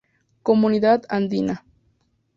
Comunidad Andina.